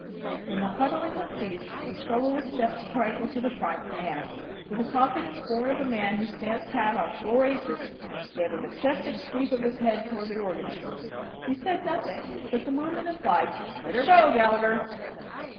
When the huddling had ceased, the soloist stepped a trifle to the front and, with the confidence born of a man who stands pat on four aces, gave a majestic sweep of his head toward the organist. He said nothing, but the movement implied, "Let 'er go, Gallagher."